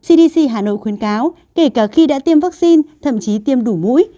cdc hà nội khuyến cáo kể cả khi đã tiêm vaccine thậm chí tiêm đủ mũi